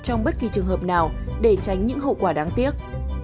trong bất kỳ trường hợp nào để tránh những hậu quả đáng tiếc